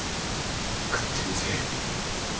勝手にせえ。